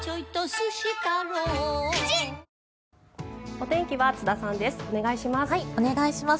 お天気は津田さんです。